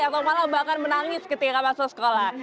atau malah bahkan menangis ketika masuk sekolah